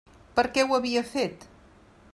Per què ho havia fet?